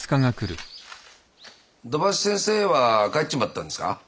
土橋先生は帰っちまったんですか？